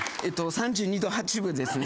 ３２度８分ですね。